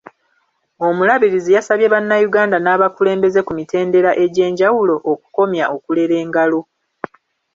Omulabirizi yasabye bannayuganda n’abakulembeze ku mitendera egyenjawulo okukomya okulera engalo.